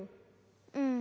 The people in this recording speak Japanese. うん。